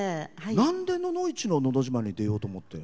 なんで野々市の「のど自慢」に出ようと思って？